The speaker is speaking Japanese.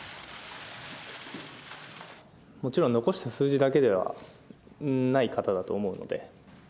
もちろん残した数字だけではない方だと思うので。